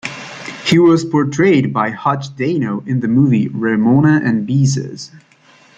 He was portrayed by Hutch Dano in the movie "Ramona and Beezus".